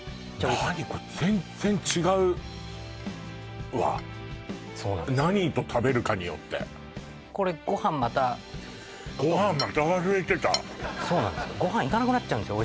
何これ全然違うわそうなんです何と食べるかによってこれご飯またそうなんですよご飯いかなくなっちゃうんですよ